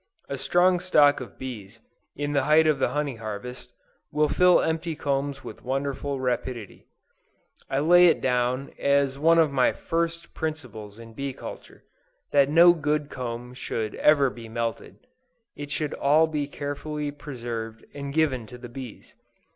A strong stock of bees, in the height of the honey harvest, will fill empty combs with wonderful rapidity. I lay it down, as one of my first principles in bee culture, that no good comb should ever be melted; it should all be carefully preserved and given to the bees.